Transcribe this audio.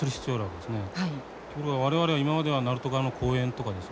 ところが我々は今までは鳴門側の公園とかですね